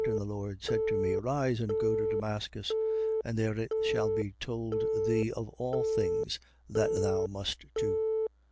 And the Lord said to me: Arise and go to Damascus; and there it shall be told thee of all things that thou must do.